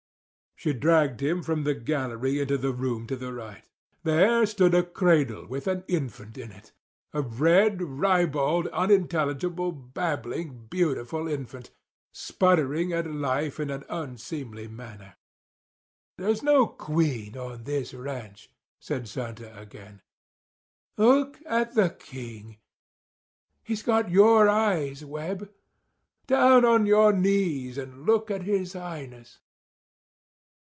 She dragged him from the gallery into the room to the right. There stood a cradle with an infant in it—a red, ribald, unintelligible, babbling, beautiful infant, sputtering at life in an unseemly manner. "There's no queen on this ranch," said Santa again. "Look at the king. He's got your eyes, Webb. Down on your knees and look at his Highness."